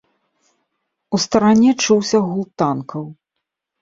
У старане чуўся гул танкаў.